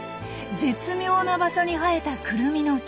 絶妙な場所に生えたクルミの木。